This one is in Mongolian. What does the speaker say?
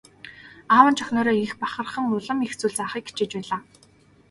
Аав нь ч охиноороо их бахархан улам их зүйл заахыг хичээж байлаа.